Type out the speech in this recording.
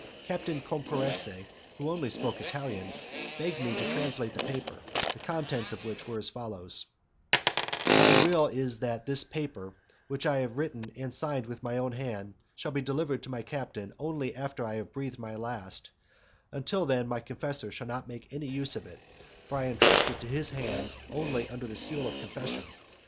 Captain Camporese, who only spoke Italian, begged me to translate the paper, the contents of which were as follows: "My will is that this paper, which I have written and signed with my own hand, shall be delivered to my captain only after I have breathed my last: until then, my confessor shall not make any use of it, for I entrust it to his hands only under the seal of confession.